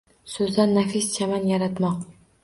Soʼzdan nafis chaman yaratmoq.